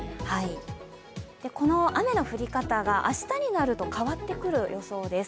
この雨の降り方が明日になって変わってくる予想です。